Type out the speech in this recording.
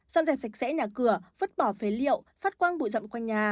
xoăn dẹp sạch sẽ nhà cửa vứt bỏ phế liệu phát quang bụi rậm quanh nhà